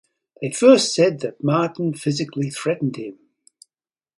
They first said that Martin physically threatened him.